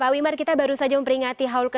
pak wimar kita baru saja memperingati haul ke tujuh